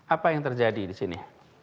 apa yang terjadi di sini